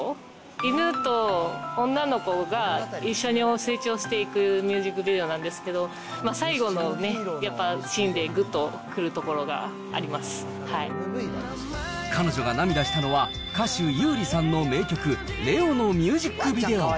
犬と女の子が一緒に成長していくミュージックビデオなんですけど、最後のね、やっぱシーンで、彼女が涙したのは、歌手、優里さんの名曲、レオのミュージックビデオ。